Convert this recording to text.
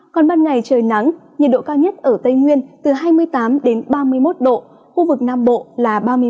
còn ban ngày trời nắng nhiệt độ cao nhất ở tây nguyên từ hai mươi tám ba mươi một độ khu vực nam bộ là ba mươi một ba mươi ba độ